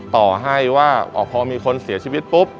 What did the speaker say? ต่อให้ว่าพอมีคนเสียชีวิตปุ๊บ